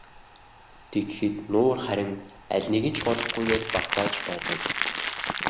Тэгэхэд нуур харин алиныг нь ч голохгүйгээр багтааж байдаг.